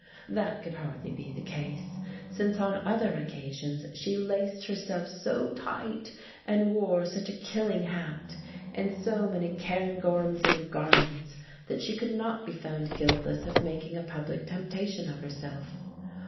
That could hardly be the case, since on other occasions she laced herself so tight, and wore such a killing hat, and so many Cairngorms and garnets, that she could not be found guiltless of making a public temptation of herself.